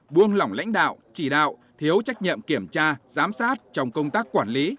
buông lỏng lãnh đạo chỉ đạo thiếu trách nhiệm kiểm tra giám sát trong công tác quản lý